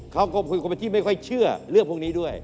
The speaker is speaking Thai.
เขาก็เป็นคนที่ไม่ค่อยเชื่อเรื่องพวกนี้ด้วย